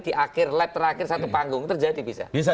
di akhir lap terakhir satu panggung terjadi bisa